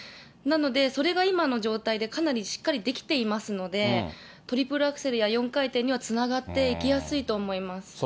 なので、それが今の状態で、かなりしっかりできていますので、トリプルアクセルや４回転にはつながっていきやすいと思います。